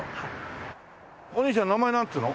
お兄ちゃん名前なんていうの？